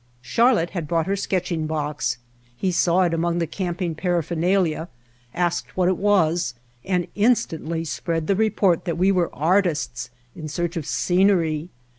Charlotte had brought her sketching box; he saw it among the camping paraphernalia, asked what it was, and instantly spread the report that we were artists in search of scenery.